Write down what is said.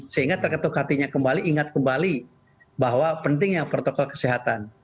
sehingga terketuk hatinya kembali ingat kembali bahwa pentingnya protokol kesehatan